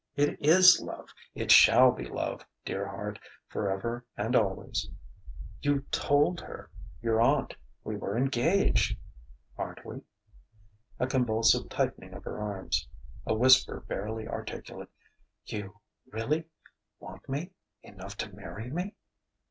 It is love. It shall be love, dear heart, forever and always...." "You told her your aunt we were engaged!" "Aren't we?" A convulsive tightening of her arms.... A whisper barely articulate: "You really ... want me ... enough to marry me?"